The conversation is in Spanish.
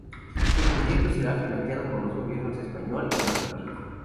El proyecto será financiado por los gobiernos español y marroquí.